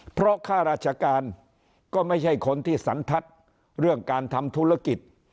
เพราะข้าราชการก็ไม่ใช่คนที่สันทัศน์เรื่องการทำธุรกิจ